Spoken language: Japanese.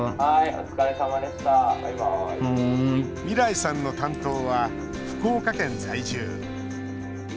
みらいさんの担当は福岡県在住。